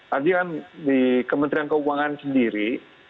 tadi kan di kementerian keuangan sendiri